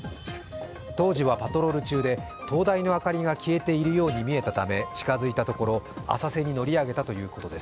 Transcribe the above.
当時はパトロール中で灯台の明かりが消えているように見えたため、近づいたところ浅瀬に乗り上げたということです。